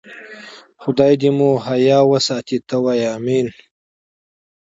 خدای مو دې حیا وساتي، ته وا آمین.